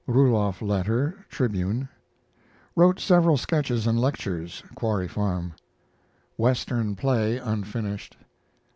Ruloff letter Tribune. Wrote several sketches and lectures (Quarry Farm). Western play (unfinished).